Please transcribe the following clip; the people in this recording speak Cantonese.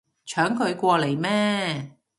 搶佢過嚟咩